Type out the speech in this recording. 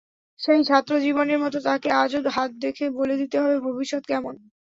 সেই ছাত্র জীবনের মতো তাকে আজও হাত দেখে বলে দিতে হবে ভবিষ্যৎকেমন।